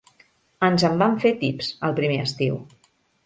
Ens en vam fer tips, el primer estiu.